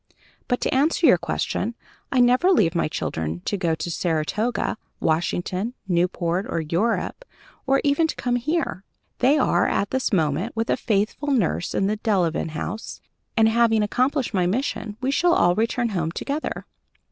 But, to answer your question, I never leave my children to go to Saratoga, Washington, Newport, or Europe, or even to come here. They are, at this moment, with a faithful nurse at the Delevan House, and, having accomplished my mission, we shall all return home together."